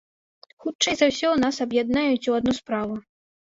Хутчэй за ўсё, нас аб'яднаюць у адну справу.